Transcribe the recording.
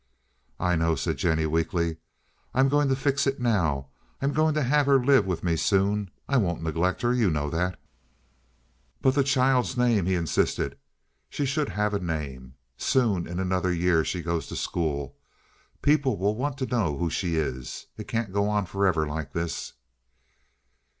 "I know," said Jennie weakly. "I'm going to fix it now. I'm going to have her live with me soon. I won't neglect her—you know that." "But the child's name," he insisted. "She should have a name. Soon in another year she goes to school. People will want to know who she is. It can't go on forever like this."